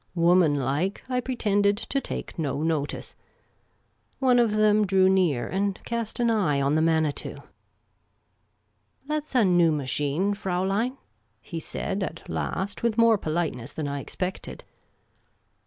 Woman like, I pretended to take no notice. One of them drew near and cast an eye on the Manitou. " That 's a new machine, Fraulein," he said, at last, with more politeness than I expected.